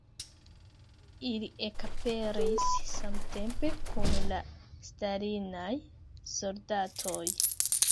Ili ekaperis samtempe kun la stalinaj soldatoj.